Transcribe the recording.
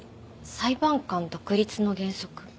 裁判官独立の原則？